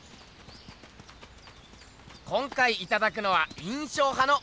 今回いただくのは印象派の大ものだ。